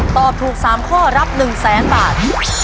ตอบถูก๓ข้อรับ๑แสนบาท